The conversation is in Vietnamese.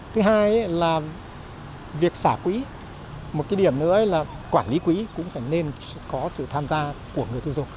thứ hai là việc xả quỹ một cái điểm nữa là quản lý quỹ cũng phải nên có sự tham gia của người tiêu dùng